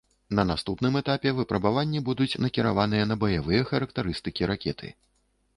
На наступным этапе выпрабаванні будуць накіраваныя на баявыя характарыстыкі ракеты.